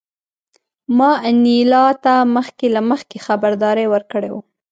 ما انیلا ته مخکې له مخکې خبرداری ورکړی و